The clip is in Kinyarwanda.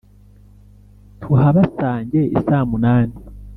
Tuhabasange isamunani!"